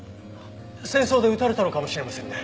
戦争で撃たれたのかもしれませんね。